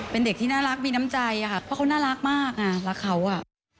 เป็นเด็กที่น่ารักมีน้ำใจอะค่ะเพราะเขาน่ารักมากอ่ะรักเขาอ่ะ